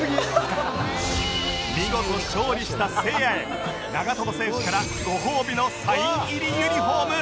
見事勝利したせいやへ長友選手からご褒美のサイン入りユニフォーム